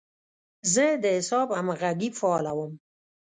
زه د حساب همغږي فعالوم.